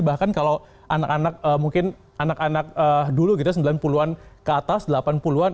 bahkan kalau anak anak dulu kita sembilan puluh an ke atas delapan puluh an